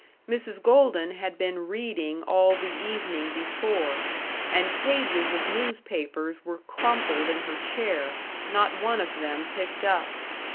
Mrs. Golden had been reading all the evening before, and pages of newspapers were crumpled in her chair, not one of them picked up.